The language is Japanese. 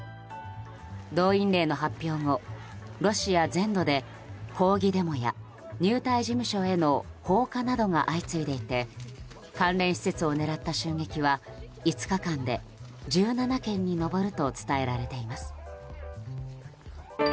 動員令の発表後、ロシア全土で抗議デモや、入隊事務所への放火などが相次いでいて関連施設を狙った襲撃は５日間で１７件に上ると伝えられています。